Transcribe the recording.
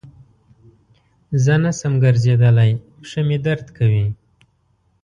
زه نسم ګرځیدلای پښه مي درد کوی.